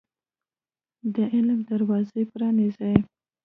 د علم دروازي پرانيزۍ